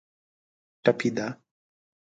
ټپي ده.